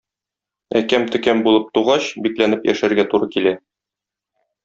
Әкәм-төкәм булып тугач, бикләнеп яшәргә туры килә.